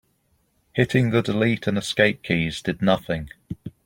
Hitting the delete and escape keys did nothing.